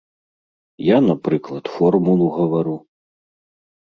Я, напрыклад, формулу гавару.